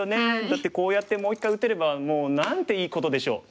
だってこうやってもう一回打てればもう何ていいことでしょう。